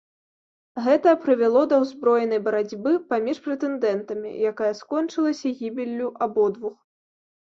Гэта прывяло да ўзброенай барацьбы паміж прэтэндэнтамі, якая скончылася гібеллю абодвух.